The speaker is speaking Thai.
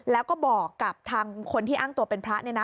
แล้วก็บอกกับทางคนที่อ้างตัวเป็นพระ